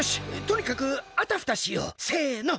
とにかくあたふたしよう！せの。